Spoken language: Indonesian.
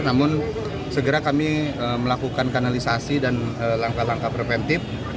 namun segera kami melakukan kanalisasi dan langkah langkah preventif